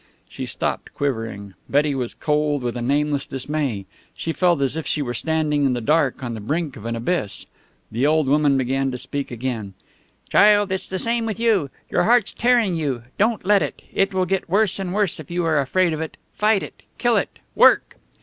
She stopped, quivering. Betty was cold with a nameless dismay. She felt as if she were standing in the dark on the brink of an abyss. The old woman began to speak again. "Child, it's the same with you. Your heart's tearing you. Don't let it! It will get worse and worse if you are afraid of it. Fight it! Kill it! Work!"